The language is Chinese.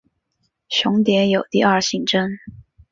雄蝶有第二性征。